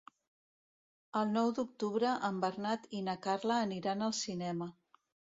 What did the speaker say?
El nou d'octubre en Bernat i na Carla aniran al cinema.